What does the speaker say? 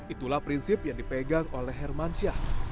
itulah prinsip yang dipegang oleh hermansyah